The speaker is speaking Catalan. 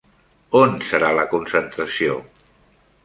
On serà la concentració?